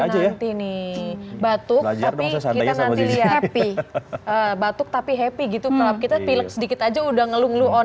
aja ini batuk tapi kita nanti lihat batuk tapi happy gitu kita sedikit aja udah ngelunglu on